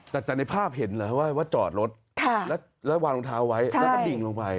แต่ในภาพเห็นเหรอว่าจอดรถแล้ววางรองเท้าไว้แล้วก็ดิ่งลงไป